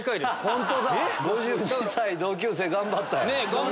５２歳同級生頑張ったやん。